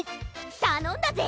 たのんだぜ！